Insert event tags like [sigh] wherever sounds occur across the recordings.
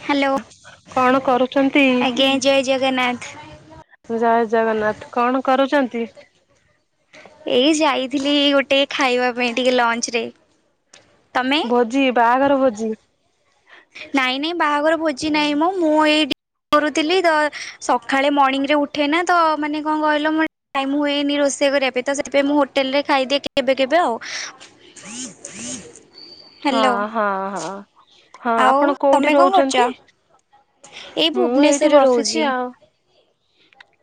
Hello, କଣ କରୁଛନ୍ତି? ଆଜ୍ଞା ଜୟ ଜଗନ୍ନାଥ। ଜୟ ଜଗନ୍ନାଥ, କଣ କରୁଛନ୍ତି? ଏଇ ଯାଇଥିଲି ଗୋଟେ ଖାଇବା ପାଇଁ ଟିକେ ଲଞ୍ଚରେ। ଭୋଜି ବାହାଘର ଭୋଜି। ନାଇଁ-ନାଇଁ ବାହାଘର ଭୋଜି ନାହିଁ ମ ମୁଁ ଏଇଠି କରୁଥିଲି ତ ସକାଳେ ମର୍ଣ୍ଣିଂରେ ଉଠେନା ତ ମାନେ କଣ କହିଲ ମୋତେ ଟାଇମ ହୁଏନି ରୋଷେଇ କରିବା ପାଇଁ ତ ସେଥିପାଇଁ ମୁଁ ହୋଟେଲରେ ଖାଇଦିଏ କେବେ କେବେ ଆଉ। [inaudible] ହଁ-ହଁ-ହଁ-ହଁ ଆଉ ଆପଣ ତମେ କୋଉଠି କଣ କରୁଛ? ରହୁଛନ୍ତି? ଏଇ ମୁଁ ଏଇଠି ଭୁବନେଶ୍ୱରରେ ରହୁଛି। ବସିଛି ଆଉ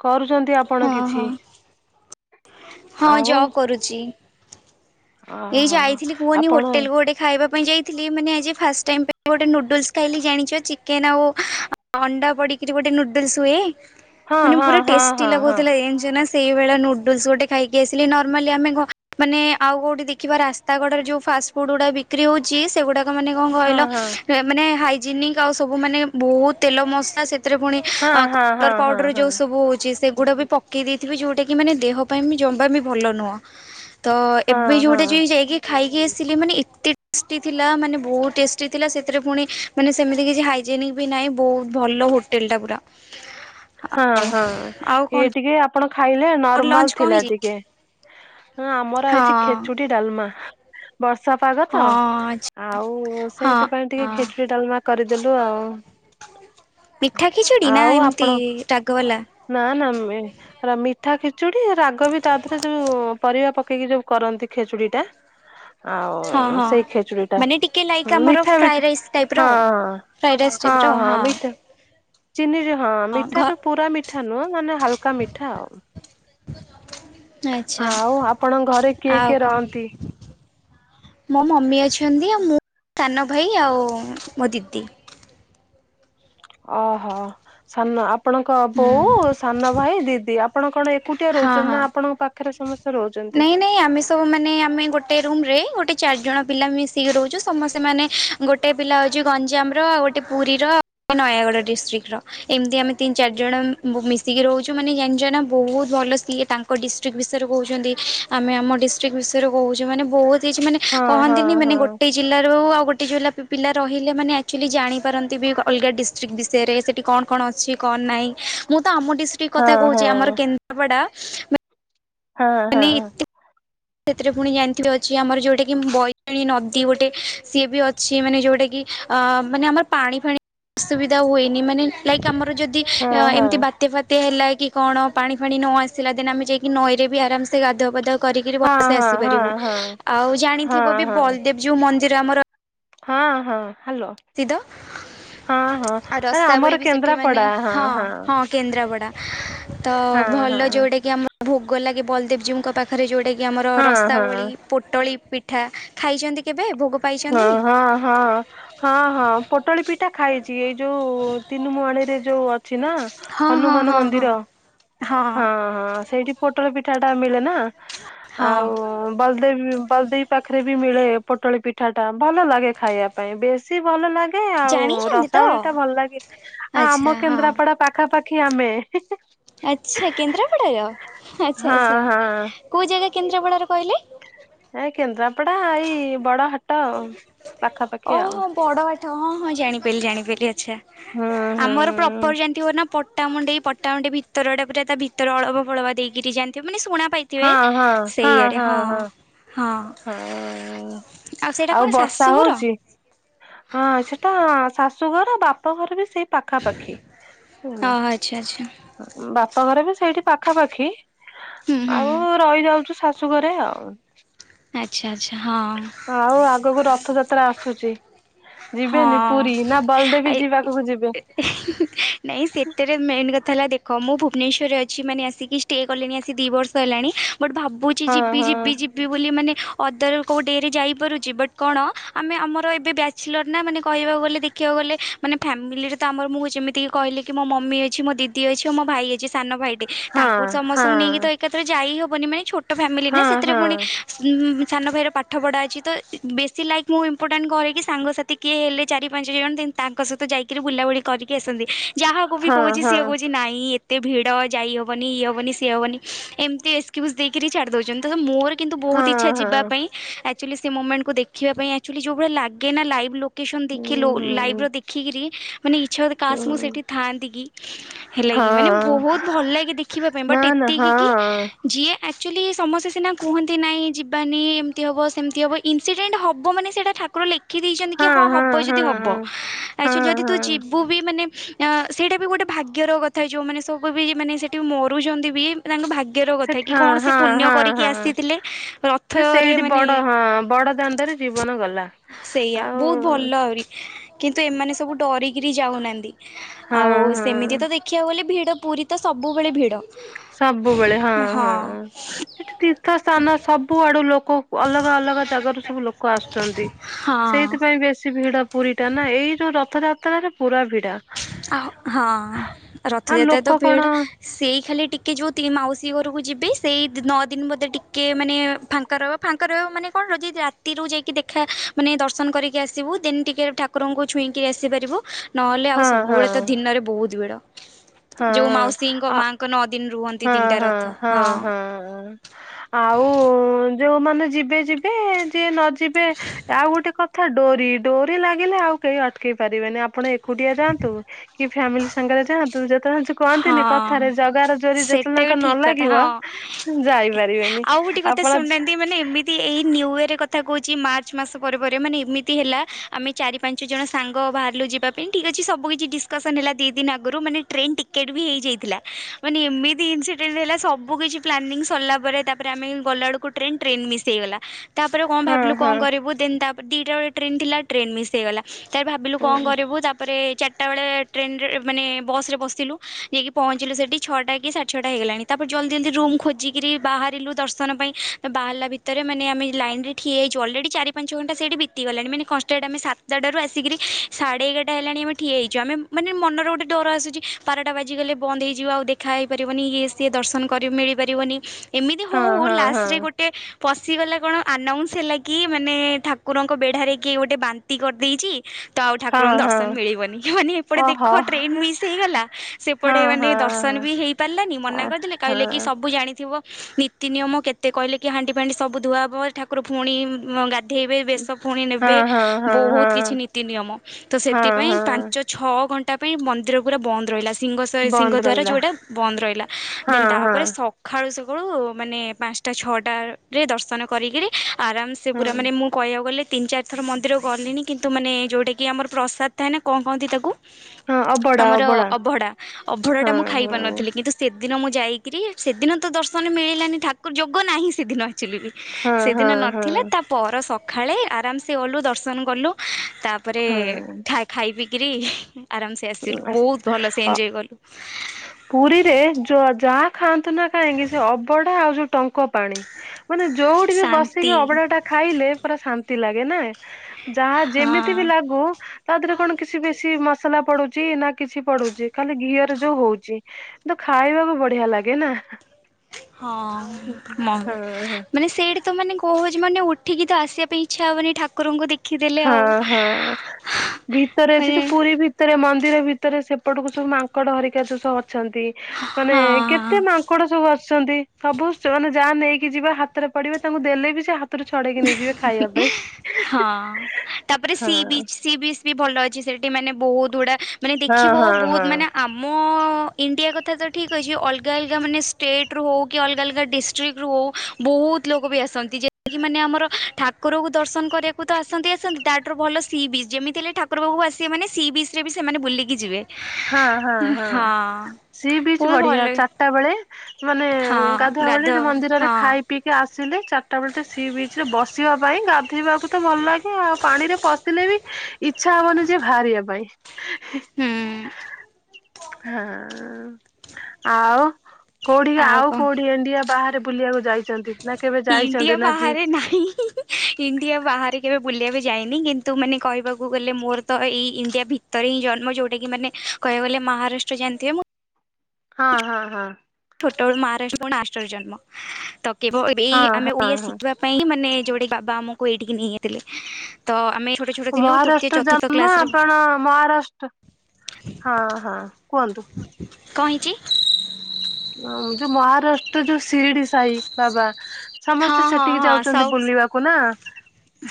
କରୁଛନ୍ତି ଆପଣ ହଁ ହଁ କିଛି? ହଁ ଆଉ ଜବ କରୁଛି ଏଇ ଓହୋ ଯାଇଥିଲି କୁହନି ଆପଣ ହୋଟେଲ କୁ ଗୋଟେ ଖାଇବା ପାଇଁ ଯାଇଥିଲି ମାନେ ଆଜି ଫାଷ୍ଟ ଟାଇମ୍ ପାଇଁ ଗୋଟେ ନୁଡୁଲ୍ସ ଖାଇଲି ଜାଣିଛ ଚିକେନ୍ ଆଉ ଅଣ୍ଡା ପଡିକିରି ଗୋଟେ ନୁଡୁଲ୍ସ ହୁଏ ହଁ ମାନେ ହଁ ପୁରା ହଁ ଟେଷ୍ଟି ହଁ ହଁ ଲାଗୁଥିଲା ଏ ଜାଣିଛ ନା ସ ସେଇଭଳିଆ ନୁଡୁଲ୍ସ ଗୋଟେ ଖାଇକି ଆସିଲି ନର୍ମାଲି ଆମେ ଘ ମାନେ ଆଉ କୋଉଠି ଦେଖ ଦେଖିବ ରାସ୍ତା କଡ଼ରେ ଯେଉଁ ଫାଷ୍ଟଫୁଡ଼୍ ଗୁଡ଼ାକ ବିକ୍ରି ହେଉଛି ସେଗୁଡ଼ାକ ମାନେ କଣ ହଁ କହିଲ ହଁ ଏ ମାନେ ହାଇଜିନିକ ଆଉ ସବୁ ମାନେ ବହୁତ ତେଲ ମସଲା ସେଥିରେ ପୁଣି ଆଉ ହଁ କଲର ହଁ ହଁ ପାଉଡର ହଁ ହଁ ଯୋଉ ସବୁ ହଉଛି ସେଗୁଡା ବି ପକ କେଇ ଦେଇଥିବେ ଯୋଉଟା କି ମାନେ ଦେହ ପାଇଁ ଜମା ବି ଭଲ ନୁହଁ ତ ଏବେ ହଁ ଯୋଉଟା ଯ ହଁ ଯାଇକି ଖାଇକି ଆସିଲି ମାନେ ଏତେ ଟେଷ୍ଟି ଥିଲା ମାନେ ବହୁତ ଟେଷ୍ଟି ଥିଲା ସେଥିରେ ପୁଣି ମାନେ ସେମିତି କିଛି ହାଇଜିନିକ ବି ନାହିଁ ବହୁତ ଭଲ ହୋଟେଲ ଟା ପୁରା। ହଁ-ହଁ ଆଉ ଇଏ କଣ ଟିକେ ଆପ ଆପଣ ଖାଇଲେ ଲଞ୍ଚ ନର୍ମାଲ କଣ ଥିଲା ହେଇଛି ଟିକେ ଆମର ହେଇଛି ହଁ ଖେଚୁଡି ଡାଲମା। ବର୍ଷା ପାଗ ତ। ହଁ ଆଉ ହଁ ସେଇଥିପାଇଁ ଟିକେ ହଁ ଖେଚୁଡି ଡାଲମା କରିଦେଲୁ ଆଉ। ମିଠା ଖେଚୁଡି ନା ଏମିତି ରାଗବାଲା। ନା-ନା ମିଠା ଖେଚୁଡି ରାଗ ବି ତା ଦେହରେ ଯୋଉ ପରିବା ପକେଇକି ଯୋଉ କରନ୍ତି ଖେଚୁଡିଟା ହଁ ଆଉ ହଁ ସେଇ ଖେଚୁଡିଟା ମାନେ ଟିକେ ଲାଇକ୍ ମିଠା-ମିଠା ହଁ। ଫ୍ରାଇଡ଼ ରାଇସ୍ ଟାଇପର ହଁ। ଚିନିରେ ହଁ ଘ ମିଠା ତ ପୁରା ମିଠା ନୁହଁ ମାନେ ହାଲକା ମିଠା ଆଉ। ଆଚ୍ଛା ଆଉ ଆପଣଙ୍କ ଘରେ ଆଉ କିଏ-କିଏ କଣ ରହନ୍ତି? ମୋ ମମି ଅଛନ୍ତି ଆଉ ମୁଁ ସାନ ଭାଇ ଆଉ ମୋ ଦିଦି। ଅ ହ ସାନ ଆପଣଙ୍କ ବୋଉ ସାନ ଭାଇ ଦିଦି ଆପଣ କଣ ଏକୁ ଟିଆ ରହୁଛନ୍ତି ନା ଆପଣଙ୍କ ପାଖରେ ସମସ୍ତେ ରହୁଛନ୍ତି? ନାଇଁ ଆମେ ସ ସବୁ ମାନେ ଆମେ ଗୋଟେ ରୁମ୍ ରେ ଗୋଟେ ଚାରିଜଣ ପିଲା ମିଶିକି ରହୁଛୁ ସମସ୍ତେ ମାନେ ଗୋଟେ ପିଲା ହେଉଛି ଗଞ୍ଜାମର ଆଉ ଗୋଟେ ପୁରୀର ଆଉ ଗୋଟେ ନୟାଗଡ଼ ଡିଷ୍ଟ୍ରିକ୍ଟର। ଏମିତି ଆମେ ତିନି ଚାରି ଜଣ ମିଶିକି ରହୁଛୁ। ମାନେ ଜାଣିଛନା ବହୁତ ଭଲ ସିଏ ତାଙ୍କ ଡିଷ୍ଟ୍ରିକ୍ଟ ବିଷୟରେ କହୁଛନ୍ତି ଆମେ ଆମ ଡିସ୍ ଷ୍ଟ୍ରିକ୍ଟ ବିଷୟରେ କହୁଛି ମାନେ ବହୁତ କିଛି ମାନେ ହଁ ହଁ କହନ୍ତିନି ମାନେ ହଁ। ଗୋଟେ ଜିଲ୍ଲାରୁ ଆଉ ଗୋଟେ ଯୋଉଲା ପି ପିଲା ରହିଲେ ମାନେ ଆକ୍ଚୁଆଲି ଜାଣିପାରନ୍ତି ବି ଅଲଗା ଡିଷ୍ ଷ୍ଟ୍ରିକ୍ଟ୍ ବିଷୟରେ ସେଠି କଣ କଣ ଅଛି? କଣ ନାଇ ମୁଁ ତ ଆମ ଡିଷ୍ଟ୍ରିକ ହଁ କଥା କହୁଛି ହଁ ଆମର କେନ୍ଦ୍ରାପଡ଼ା ହଁ ହଁ। ମାନେ ସେଥିରେ ପୁଣି ଜାଣିଥିବେ ଅଛି ଆମର ଯଉଟା କିି ବୈତରଣୀ ନଦୀ ଗୋଟେ ସିଏ ବି ଅଛି ମାନେ ଯଉଟା କିି ଆ ମାନେ ଆମର ପାଣି ଫାଣି ଅସୁବିଧା ହୁଏନି ମାନେ ଲାଇକ୍ ଆମର ଯଦି ହଁ ଏମିତି ହଁ ବାତ୍ୟା ଫାତ୍ୟା ହେଲା କି କଣ, ପାଣି ଫାଣି ନ ଆସିଲା ଦେନ୍ ଆମେ ଯାଇ କି ନଈରେ ବି ଆରାମ୍ ସେ ଗାଧୁଆପାଧୁଆ କରି ସେ ହଁ ହଁ ଆସିପାରିବୁ ହଁ ହଁ। ଆଉ ହଁ ଜାଣିଥିବ ବି ହଁ ବଲଦେଵ୍ ଯୋଉ ମନ୍ଦିର ଆମର ହଁ ହଁ ହାଲୋ। ସିଦ ହଁ ହଁ ଆଉ ଆରେ ଆମର ରସାବଳି ବି ସେଠି ମାନେ କେନ୍ଦ୍ରାପଡା ହଁ ହଁ କେନ୍ଦ୍ରାପଡ଼ା। ତ ହଁ ହଁ ଭଲ ଯୋଉଟା କିି ଆମ ଭୋଗଲାଗେ ବଲଦେଵଜୀଉଙ୍କ ପାଖରେ ଯଉଟାକି ଆମର ହଁ ହଁ ରସାବଳୀ। ପୋଟଳି ପିଠା ଖାଇଛନ୍ତି କେବେ ଭୋଗ ହଁ ପାଇଛନ୍ତି? ହଁ ହଁ। ହଁ ହଁ ପୋଟଳି ପିଠା ଖାଇଛି ଏଇ ଯୋଉ ତିନି ମୁହାଣୀରେ ଯୋଉ ଅଛି ନା? ହଁ ହଁ ହନୁମାନ ହଁ ହଁ ମନ୍ଦିର। ହଁ। ହଁ ସେଇଠି ପୋଟଳ ପିଠାଟା ମିଳେ ନା ହଁ ଆଉ ବଲଦେଵ୍ ବଲଦେଇ ପାଖରେ ବି ମିଳେ ପୋଟଳି ପିଠାଟା ଭଲ ଲାଗେ ଖାଇବା ପାଇଁ ବେଶ ସି ଭଲ ଲାଗେ ଆଉ ଜାଣିଛନ୍ତି ତ? ରସାବଳିଟା ଭଲ ଲାଗେ ଆଉ ଆଚ୍ଛା ଆମ ହଁ କେନ୍ଦ୍ରାପଡ଼ା ପା ଖାପାଖି ଆମେ। ଆଚ୍ଛା କେନ୍ଦ୍ରାପଡ଼ାର ଆଚ୍ଛା ହଁ ଆଚ୍ଛା ହଁ କୋଉ ଜାଗା କେନ୍ଦ୍ରାପଡ଼ାର କହିଲେ? ଏ କେନ୍ଦ୍ରାପଡ଼ା ଏଇ ବଡ ହାଟ ଆଉ ପାଖାପାଖି ଆଉ ଓହୋ ବଡ଼ ଆଠ ହଁ ହଁ ଜାଣିପାରିଲି, ଜାଣିପାରିଲି ଆଚ୍ଛା। ହୁଁ ହୁଁ ଆମର ପ୍ରପର ଜାନ୍ ଥିବ ନା ପଟ୍ଟାମୁଣ୍ଡାଇ ପଟ୍ଟାମୁଣ୍ଡେଇ ଭିତରଟା ପୁରା ତା ଭିତରେ ଅଳବ ଫଳବା ଦେଇକିରି ଜାଣିଥିବ ମାନେ ଶୁଣା ପାଇ ଥିବେ ସେଇଆଡ଼େ ହଁ ହଁ। ହଁ ସେଇଟା କଣ ଆଉ ବର୍ଷା ଶାଶୁଘର? ହଉଚି? ହଁ ସେଟା ଶାଶୁଘର ବାପା ଘର ବି ସେଇ ପାଖାପାଖି ଓହୋ ଆଚ୍ଛା ଆଚ୍ଛା ବାପଘର ବି ସେଇଠି ପାଖାପାଖି ହୁଁ ହୁଁ ଆଉ ରହିଯାଉଚୁ ଶାଶୁ ଘରେ ଆଉ ଆଚ୍ଛା ଆଚ୍ଛା ହଁ। ଆଉ ଆଗକୁ ରଥଯାତ୍ରା ଆସୁଚି। ଯିବେନି ପୁରୀ ହଁ ନା ବଲଦେବୀ ଯିବାକୁ ବି ଯିବେ [unintelligible] ନାଇଁ ସେତେରେ ମେନ୍ କଥା ହେଲା ଦେଖ ମୁଁ ଭୁବନେଶ୍ୱରରେ ଅଛି ମାନେ ଆସିକି ଷ୍ଟେ କଲିଣି ଆସିି ଦି ବର୍ଷ ହେଲାଣି। ବଟ୍ ଭାବୁଚି ହଁ ଯିବି ହଁ ଯିବି ଯି ବି ବୋଲି ମାନେ ଅଦର କୋଉ ଡେ ରେ ଯାଇପାରୁଚି ବଟ୍ କଣ ଆମେ ଆମର ଏବେ ବ୍ୟା ଚଲର ନା ମାନେ କହିବାକୁ ଗଲେ ଦେଖିବାକୁ ଗଲେ ମାନେ ଫ୍ୟାମିଲିରେ ତ ଆମର ମୁଁ ଯେମିତିି କି କହିଲି କି ମୋ ମମି ଅଛି ମୋ ଦି ଦି ଅଛି ଆଉ ମୋ ଭାଇ ଅଛି ସାନ ଭାଇଟେ ହଁ ତାଙ୍କୁ ହଁ ସମସ୍ତଙ୍କୁ ନେଇକି ତ ଏ କାଥରେ ଯାଇହବନି ମାନେ ଛୋଟ ଫ୍ୟାମିଲି ନା ହଁ ସେତେରେ ହଁ ଫୁଣି ଉଁ ସାନ ଭାଇର ପାଠ ପଢା ଅଛି ତ ବେଶୀ ଲାଇକ୍ ମୁଁ ଇମ୍ପୋର୍ଟାଣ୍ଟ କରେ କି ସାଙ୍ଗସାଥି କିଏ ହେଲେ ଚାରି ପାଞ୍ଚ ଜଣ ଯେ ତାଙ୍କ ସହିତ ଯାଇକିରି ବୁଲାବୁଲି କରିକି ଆସନ୍ତି। ଯାହାକୁ ବି ହଁ କୋହୁଚି ହଁ। ସିଏ କୋହୁଚି ନାଇଁ ଏ ତେ ଭିଡ ଯାଇ ହବନି ଇଏ ହବନି ସିଏ ହବନି ଏମତି ଏକ୍ସକ୍ୟୁଜ ଦେଇକିରି ଛାଡି ଦୋଉଚନ୍ତି ତ ସୋ ମୋର କିନ୍ତୁ ବୋହୁତ ହଁ ଇଚ୍ଛା ଯିବା ହଁ ପାଇଁ ଆକଚୁଆଲି ସେ ମୋମେଣ୍ଟକୁ ଦେଖିବା ପାଇଁ ଆକଚୁଆଲି ଯୋଉ ଭଳିଆ ଲାଗେ ନା ଲାଇଭ୍ ଲୁକ୍ ଲୋକେସନ୍ ହୁଁ ଦେଖି ଲୋ ଲାଇଭ୍ ହୁଁ ର ଦେଖିକିରି ମାନେ ଇଚ୍ଛା ହୁଏ କାସ୍ ମୁଁ ହୁଁ ସେଇଠି ଥାଆନ୍ତି କି। ହେଲା କିି ମାନେ ହଁ ବୋହୁତ ଭଲ ଲାଗେ ଦେଖିବା ପାଇଁ ନା ବଟ୍ ନା ଏତିକି କି ହଁ। ଯିଏ ଆକଚୁଆଲି ସମସ୍ତେ ସିନା କୁହନ୍ତି ନାଇଁ ଯିବାନି ଏମତି ହବ ସେମତି ହବ ଇନସିଡେଣ୍ଟ ହବ ମାନେ ସେଇଟା ଠାକୁର ଲେଖିଦେଇଚନ୍ତି କି ହଁ ହବ ଯଦି ହବ। ଆକଚୁଆଲ ହଁ ଯଦି ତୁ ହଁ ଯିବୁ ବି ମାନେ ସେଇଟା ବି ଗୋଟେ ଭାଗ୍ୟର କଥା ଯୋଉ ମାନେ ସବୁ ବି ମାନେ ସେ ଠି ମରୁଚନ୍ତି ବି ଏଟା ତାଙ୍କ ଭାଗ୍ୟର କଥା ସେଠି କି ହଁ କଣ ସେ ହଁ ପୂନ୍ୟ ହଁ କରିକି ହଁ। ଆସିଥିଲେ ସେ ରଥରେ ସେଇଠି ମାନେ ବଡ ହଁ ବଡ ଦାଣ୍ଡରେ ଜୀବନ ଗଲା। ସେଇଆ ଆଉ ବୋହୁତ ଭଲ ଆହୁରି କିନ୍ତୁ ଏମାନେ ସବୁ ଡରିକିରି ଯାଉନାଆନ୍ତି। ହଁ ଆଉ ହଁ। ସେମିତି ତ ଦେଖିବାକୁ ଗଲେ ଭିଡ ପୁରି ତ ସବୁବେଳେ ଭିଡ। ସବୁବେଳେ ହଁ ହଁ ହଁ ସେଠି ତୀର୍ଥ ସ୍ଥାନ ସବୁ ଆଡୁ ଲୋକ ଅଲଗା ଅଲଗା ଜାଗାାରୁ ସବୁ ଲୋକ ଆସୁଚନ୍ତି। ହଁ ସେଇଥିପାଇଁ ବେଶୀ ଭିଡ। ପୁରି ଟା ନା ଏଇ ଯୋଉ ରଥଯାତ୍ରାରେ ପୁରା ଭି ଆହ ହଁ ଆଉ ରଥଯାତ୍ରା ଲୋକ ତ କଣ ଭିଡ। ସେଇ ଖାଲି ଟିକେ ଯୋଉ ତି ମାଉସୀ ଘରୁକୁ ଯିବେ ସେଇ ନଅ ଦିନ ବୋଧେ ଟିକେ ମାନେ ଫାଙ୍କା ରହିବ। ଫାଙ୍କା ରହିବ ମାନେ କଣ ଯଦି ରାତିରୁ ଯାଇକି ଦେଖା ମାନେ ଦର୍ଶନ କରିକି ଆସିବୁ ଦେନ ଟିକେ ଠା କୁରଙ୍କୁ ଛୁଇଁକି ଆସିପାରିବୁ ନହଲେ ଆଉ ହଁ ହଁ ସବୁବେଳେ ତ ଦିନରେ ବୋହୁତ ଭିଡ। ହଁ ଯୋଉ ମାଉସୀଙ୍କ ଆ ମାଙ୍କ ନଅଦିନ ରୁହନ୍ତି ହଁ ତିନଟା ହଁ ରଥ ହଁ। ହଁ। ଆଉ ଯୋଉମାନେ ଯିବେ ଯିବେ ଯିଏ ନ ଯିବେ। ଆଉ ଗୋଟେ କଥା ଡୋରି ଡୋରି ଲାଗିଲେ ଆଉ କେହି ଅଟକେଇ ପାରିବେନି ଆପଣ ଏ ଏକୁଟିଆ ଯାଆନ୍ତୁ କି ଫ୍ୟାମିଲି ସାଙ୍ଗରେ ଯାଆନ୍ତୁ ଯ [unintelligible] କଅନ୍ତିନି ହଁ। କଥାରେ ଜଗାର ଡୋରି ଯେତବେଳେ ସେଟା ବି ଯାଁକ ନ ଠିକ କଥା ଲାଗିବ ହଁ ଯାଇପାରିବେନି। ଆଉ ଗୋଟେ କଥା ଆପଣ ଶୁଣୁନାହାନ୍ତି ମାନେ ଏମି ତି ଏଇ ନିୟୁ ଇଅରେ କଥା କୋହୁଚି ମାର୍ଚ୍ଚ ମାସ ପରେ ପରେ ମାନେ ଏମିତି ହେଲା। ଆମେ ଚାରି ପାଞ୍ଚ ଜଣ ସାଙ୍ଗ ବାହାରିଲୁ ଯିବା ପାଇଁ ଠିକ୍ ଅଛି ସବୁ କିଛି ଡିସକସନ ହେଲା ଦି ଦିନ ଆଗୁରୁ ମାନେ ଟ୍ରେନ୍ ଟି କେଟ୍ ବି ହେଇଯାଇଥିଲା ମାନେ ଏମିତି ଇନସିଡେଣ୍ଟ ହେଲା ସବୁ କିିଛି ପ୍ଲାନିଂ ସରିଲା ପରେ ତାପରେ ଆମେ ଗଲାବେଳୁକୁ ଟ୍ରେନ, ଟ୍ରେନ ମିସ ହେଇଗଲା। ତାପରେ କଣ ହଁ ଭାବିଲୁ କଣ ହଁ କରିବୁ ଦେନ ତାପରେ ଦିଟା ବେଳେ ଟ୍ରେନ ଥିଲା ଟ୍ରେନ ମିସ୍ ହେଇଗଲା। ତାପ ଭାବିଲୁ କଣ ହଁ କରିବୁ ତାପରେ ଚାରିଟା ବେଳେ ଟ୍ରେନରେ ମାନେ ବସ୍ ରେ ବସିଲୁ। ଯାଇକି ପହଞ୍ଚିଲୁ ସେଠି ଛଅଟା କି ସାଢେ ଛଅଟା ହେଇଗଲାଣି ତାପରେ ଜଲଦି ଜଲଦି ରୁମ୍ ଖୋଜିକିରି ବାହାରିଲୁ ଦର୍ଶନ ପାଇଁ। ବାହାରିଲା ଭିତରେ ମାନେ ଆମେ ଲାଇନ୍ ରେ ଠିଆହେଇଚୁ ଅଲରେଡି ଚାରି ପାଞ୍ଚ ଘଣ୍ଟା ସେଠି ବିତିଗଲାଣି ମାନେ କନଷ୍ଟାଣ୍ଟ ଆମେ ସା ତା ଠାରୁ ଆସିକିରି ସାଢେ ଏଗାରଟା ହେଲାଣି ଆମେ ଠିଆ ହୋଇଚୁ ଆମେ ମାନେ ମନର ଗୋଟେ ଡର ଆସୁଚି। ବାରଟା ବାଜିଗଲେ ବନ୍ଦ ହେଇଯିବ ଆଉ ଦେଖା ହେଇପାରିବନି ଇଏ ସିଏ ଦର୍ଶନ କରି ମିଳିପାରିବନି। ଏମିତି ହୋଉ ହୋଉ ହଁ ହଁ ହଁ ଲାଷ୍ଟରେ ଗୋଟେ ପଶିଗଲା କଣ ଆନାଉନ୍ସ ହେଲା କି ମାନେ ଠାକୁରଙ୍କ ବେଢ଼ାରେ କିଏ ଗୋଟେ ବାନ୍ତି କରିଦେଇଚି। ତ ଆଉ ହଁ ଠାକୁରଙ୍କ ଦର୍ଶନ ହଁ ମିଳିବନି କି ମାନେ ହେପଟେ ଦେଖ ଓହୋ ଟ୍ରେନ ମିସ୍ ହେଇଗଲା। ସେପଟେ ହଁ ମାନେ ହଁ ଦର୍ଶନ ହଁ ବି ହେଇପାରିଲାନି ମନା ହଁ କରିଦେଲେ, ହଁ କହିଲେ କି ସ ସବୁ ଜାଣିଥିବ ନୀତି ନିୟମ କେତେ କହିଲେ କି ହାଣ୍ଡି ଫାଣ୍ଡି ସବୁ ଧୁଆ ହବ ଠାକୁର ପୁଣି ଗା ଧେଇବେ ବେଶ ଫୁଣି ନେବେ ହଁ ହଁ ହଁ ବହୁତ୍ କିଛି ନୀତି ନିୟମ ତ ହଁ ସେଥିପାଇଁ ହଁ ପାଞ୍ଚ ଛଅ ଘଣ୍ଟା ପାଇଁ ମନ୍ଦିର ପୁରା ବନ୍ଦ ରହିଲା। ଶିଂଙ୍ଗ ସିଂଘ ବନ୍ଦ ଦ୍ୱାର ରହିଲା ଯୋଉଟା ବନ୍ଦ ରହିଲା ହଁ ଦେନ୍ ହଁ ତାପରେ ସ ଖାଳୁ ସକାଳୁ ମାନେ ପାଞ୍ଚଟା ଛଅଟାରେ ଦର୍ଶନ କରିକିରି ଆରାମ୍ସେ ହଁ ପୁରା ମାନେ ମୁଁ କହିବାକୁ ଗଲେ ତିନି ଚାରି ଥର ମନ୍ଦିର ଗଲିଣିି କିନ୍ତୁ ମାନେ ଯୋଉଟାକି ଆମର ପ୍ରସାଦ ଥାଏ ନା କଣ କହନ୍ତି ତାକୁ? ହଁ ଅବଡା ଅବଡ଼ା। ଅଭଢା ଅଭଢାଟା ମୁଁ ଖାଇ ପାରିନଥିଲି କିନ୍ତୁ ସେଦିନ ମୁଁ ଯାଇକିରି ସେଦିନ ତ ଦର୍ଶନ ମିଳିଲାନି ଠାକୁର ଯୋଗ ନାହିଁ ସେଦିନ। [unintelligible] ହଁ ସେଦିନ ହଁ ହଁ ନଥିଲା ତା ପର ସଖାଳେ ଆରାମ୍ସେ ଗଲୁ ଦର୍ଶନ କଲୁ, ତାପରେ ହଁ ଖାଇ ଖାଇ ପିିଇକିରି ଆରାମ୍ସେ ଆସିଲୁ ବହୁତ୍ ଭଲସେ ଅ ଏଞ୍ଜୟ କଲୁ। ପୁରୀରେ ଯ ଯାହା ଖାଆନ୍ତୁ ନା କାହିଁକି ସେ ଅବଢା ଆଉ ଯୋଉ ଟଙ୍କ ପାଣି ମାନେ ଯୋଉଠି ବି ବସିକି ଶାନ୍ତି ଅବଢାଟା ଖାଇଲେ ପୁରା ଶାନ୍ତି ଲାଗେ ନା। ଯାହା ଯେମିତି ବି ହଁ ଲାଗୁ ତା ଦେହରେ କଣ କିଛି ବେଶୀ ମସଲା ପଡୁଛି ନା କିଛି ପଡୁଛି ଖାଲି ଘିଅରେ ଯୋଉ ହଉଛି। କିନ୍ତୁ ଖାଇବାକୁ ବଢିଆ ଲାଗେ ନା? ହଁ ହଁ ମ ହଁ। ମାନେ ସେଇଠି ତ ମାନେ କହୁଚି ମାନେ ଉଠିକି ଆସିବା ପାଇଁ ଇଚ୍ଛା ହବନି ଠାକୁରଙ୍କୁ ଦେ ହଁ ହଁ ଭିତରେ ମାନେ ଅଛି ପୁରୀ ଭି ଭିତରେ ମନ୍ଦିର ଭିତରେ ସେପଟକୁ ସବୁ ମାଙ୍କଡ ହେରିକା ଯୋଉ ସ ଅଛନ୍ତି ମାନେ ହଁ ହଁ କେତେ ମା ଙ୍କଡ ସବୁ ଆସୁଛନ୍ତି ସବୁ ମାନେ ଯାହା ନେଇକି ଯିବା ହାତରେ ପଡିବ ତାଙ୍କୁ ଦେଲେ ବି ସେ ହାତରୁ ଛଡେଇକି ନେଇଯିବେ ଖାଇବା ପାଇଁ ହି ହି। ହଁ। ତାପରେ ସି ବିଚ୍ ସି ବିଚ୍ ବି ଭଲ ଅଛି ସେଠି ମାନେ ବହୁତ୍ ଗୁଡା, ମାନେ ଦେଖିବ ହଁ ହଁ ବହୁତ୍ ହଁ। ମାନେ ଆମ ଇଣ୍ଡିଆ କଥା ତ ଠିକ୍ ଅଛି ଅଲଗା ଅଲଗା ମାନେ ଷ୍ଟେଟ୍ ରୁ ହଉ କି ଅଲଗା ଅଲଗା ଡିଷ୍ଟ [unintelligible] ବହୁତ ଲୋକ ବି ଆସନ୍ତି ଯେ ମାନେ ଆମର ଠାକୁରଙ୍କୁ ଦର୍ଶନ କରିବାକୁ ତ ଆସନ୍ତି ଆସନ୍ତି ତା ଠାରୁ ଭଲ ସି ବିଚ୍ ଯେମିତି ହେଲେ ଠାକ୍ [unintelligible] ବାବୁ ଆସେ ମାନେ ସି ବିଚ୍ ରେ ବି ସେମାନେ ବୁଲିକି ଯିବେ। ହଁ ହଁ ହଁ। ସି ବିଚ୍ ବହୁତ ବଢିଆ ଭଲ ଲାଗେ ଚାରିଟା ବେଳେ ମାନେ ହଁ ଗାଧୁଆ ବେଳେ ମନ୍ଦିରରେ ହଁ ଖାଇ ପିିକି ଆସିଲେ ଚାରିଟା ବେଳଟେ ସି ବିଚ ରେ ବସିବା ପାଇଁ ଗାଧେଇବା ବହୁତ ଭଲ ଲାଗେ ଆଉ ପାଣି ରେ ପଶିଲେ ବି ଇଚ୍ଛା ହବନି ଯେ ବାହାରିବା ପାଇଁ। ହୁଁ ହଁ ଆଉ କୋଉଠି ଆଉ କୋଉଠି ଇଣ୍ଡିଆ ବାହାରେ ବୁଲିବାକୁ ଯାଇଚନ୍ତି? ଇଣ୍ଡିଆ ବାହାରେ ନାହିଁ। ଇଣ୍ଡିଆ ବାହାରେ କେବେ ବୁଲିବାକୁ ଯାଇନି, କିନ୍ତୁ ମାନେ କହିବାକୁ ଗଲେ ମୋର ତ ଏଇ ଇଣ୍ଡିଆ ଭିତ ତରେ ହିଁ ଜନ୍ମ ଯୋଉଟା କି ମାନେ କହିବାକୁ ଗଲେ ମହାରାଷ୍ଟ୍ର ଜାଣିଥିବେ ମୁଁ ହଁ ହଁ ହଁ। ଛୋଟ ବେଳୁ [unintelligible] ଜନ୍ମ ତ କେବଳ ଏଇ ହଁ ଆମେ ହଁ ଓଡିଆ ହଁ ଶିଖିବା ବା ପାଇଁ ମାନେ ଯୋଉଠି ବାବା ଆମକୁ ଏଇଠିକି ନେଇଯାଇଥିଲେ ତ ଆମେ ଛୋ ମହାରାଷ୍ଟ୍ର ଜନ୍ମ ଆପଣ ମହାରାଷ୍ଟ୍ର ହଁ ହଁ କୁହନ୍ତୁ? କଣ ହେଇଛି? ଯୋଉ ମହାରାଷ୍ଟ୍ର ଯୋଉ ଶିରିଡି ସାଇ ବାବା। ହଁ ସମସ୍ତେ ହଁ ସେଠିକି ହଁ ଯାଉଛନ୍ତି ସବୁ ବୁଲିବାକୁ ନା?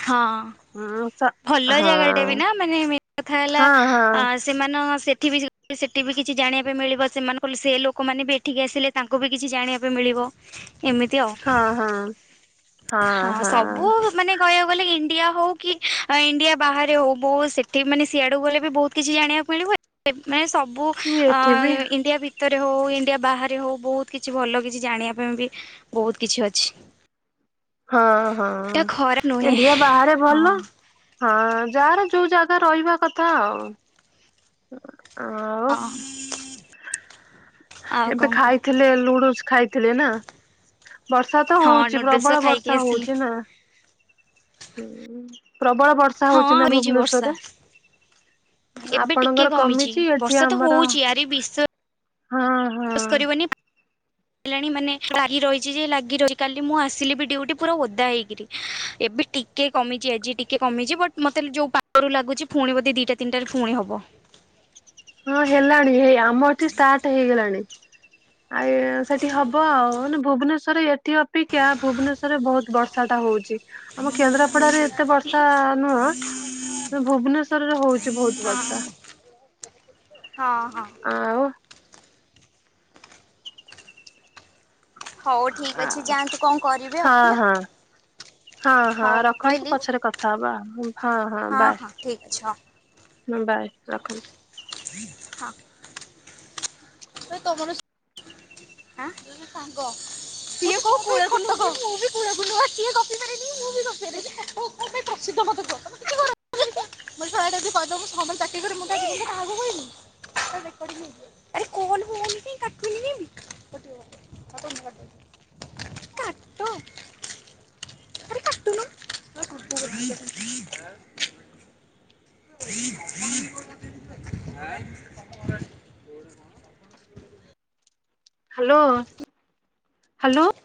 ହଁ। ହୁଁ ସ ଭଲ ଜାଗାଟେ ବି ନା ମାନେ ମେନ୍ କଥା ହେଲା ହଁ ହଁ ଆ ସେମାନଙ୍କ ସେଠି ବି ସେଠି ବି କିଛି ଜାଣିବା ପାଇଁ ମିଳିବ ସେମାନଙ୍କ ସେ ଲୋକମାନେ ବି ଏଠିକି ଆସିଲେ ତାଙ୍କୁ ବି କିଛି ଜାଣିବା ପାଇଁ ମିଳିବ। ଏମିତି ଆଉ। ହଁ ହଁ ସବୁ ମାନେ କହିବାକୁ ଗଲେ ଇଣ୍ଡିଆ ହଉ କି ଇଣ୍ଡିଆ ବାହାରେ ହଉ ବହୁ ସେଠି ମାନେ ସିଆଡୁ ଗଲେ ବି ବହୁତ୍ କିଛି ଜାଣିବାକୁ ମିଳିବ। ଏ ମାନେ ସବୁ ହଁ ଅ ଏଠି ବି ଇଣ୍ଡିଆ ଭିତ୍ ଭିତରେ ହଉ ଇଣ୍ଡିଆ ବାହାରେ ହଉ ବହୁତ୍ କିଛି ଭଲ କିଛି ଜାଣିବା ପାଇଁ ବି ବହୁତ୍ କିଛି ଅଛି। ହଁ ହଁ ଏଟା ଖରାପ ନୁହେଁ। ଇଣ୍ଡିଆ ବାହାରେ ହଁ ଭଲ। ହଁ ଯାହାର ଯଉ ଜାଗା ରହିବା କଥା ଆଉ। ଅ ହଁ। ଆଉ ଏବେ କଣ କୁହ ଖାଇଥିଲେ ଲୁଡୁସ ଖାଇଥିଲେ ନା। ବର୍ଷା ତ ହଁ ହଉଚି ନୁଡୁଲସ ପ୍ରବଳ ଖାଇକି ବର୍ଷା ଆସିଲି। ହଉଚି ନା। ହୁଁ, ପ୍ରବଳ ବର୍ଷ୍ ଷା ହଁ ହଉଚି ନା କମିଛି ବର୍ଷା ଭୁବନେଶ୍ୱରରେ? ଏବେ ଆପଣଙ୍କର କମିଚି ଏଠି ଆମର ଏ ବିସ ହଁ। ଶ୍ଵାସ୍ ହଁ କରିବନି ଣି ମାନେ ଲାଗି ରହିଚି ଯେ ଲାଗି ରହି କାଲି ମୁଁ ଆସିଲି ବି ଡିଉଟି ପୁରା ଓଦା ହେଇକିରି। ଏବେ ଟି ଟିକେ କମିଚି ଆଜି ଟିକେ କମିଚି ବଟ୍ ମତେ ଯଉ ପାଗରୁ ଲାଗୁଚି ଫୁଣି ବଧେ ଦିଟା ତିନିଟାରେ ଫୁଣି ହବ। ହଁ ହେଲାଣି ହେଇ ଆମ ଏଠି ଷ୍ଟାର୍ଟ ହେଇଗଲାଣି। ଆଏ ସେଠି ହବ ଆଉ। ମାନେ ଭୁବନେଶ୍ଵରେ ଏଠି ଅ ପେକ୍ଷା ଭୁବନେଶ୍ୱରରେ ବହୁତ୍ ବର୍ଷାଟା ହଉଚି ଆମ କେନ୍ଦ୍ରାପଡାରେ ଏତେ ବର୍ଷା ନୁହଁ ଭୁବନେଶ୍ୱରରେ ହଉଚି ବହୁତ୍ ବର୍ଷା। ହଁ। ହଁ ହଁ। ଆଉ? ଆ ହଁ ହଁ। ହଁ ହଁ ରଖନ୍ତୁ ପଛରେ କଥା ହବା ଆଉ ହୁଁ। ହଁ ହଁ ଠିକ୍ ଅଛ। ହଁ ବାଏ ରଖନ୍ତୁ। ହଁ ଭାଇ ତମର [inaudible] ସାଙ୍ଗ। [unintelligible] ଏବେ ପ୍ରସିଧ ମତେ କୁହ। [unintelligible] [unintelligible] କାହାକୁ କହିମି? ଆରେ କୋଲ ହଉନି କି କାଟୁନି କାଇଁ। କାଟ। ଆରେ କାଟୁନ। [unintelligible] Hello, hello.